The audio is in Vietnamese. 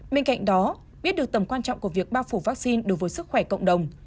bên cạnh đó biết được tầm quan trọng của việc bao phủ vaccine đối với sức khỏe cộng đồng